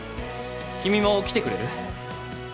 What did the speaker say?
君も来てくれる？